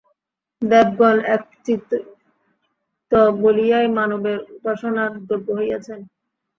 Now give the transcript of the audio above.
দেবগণ একচিত্ত বলিয়াই মানবের উপাসনার যোগ্য হইয়াছেন।